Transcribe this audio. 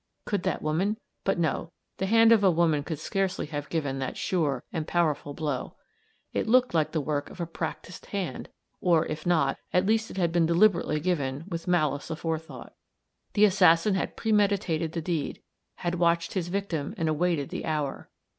"Could that woman?" but no, the hand of a woman could scarcely have given that sure and powerful blow. It looked like the work of a practiced hand or, if not, at least it had been deliberately given, with malice aforethought. The assassin had premeditated the deed; had watched his victim and awaited the hour.